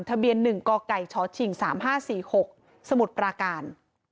ทะเบียน๑กกชชิง๓๕๔๖สมุทรปราการ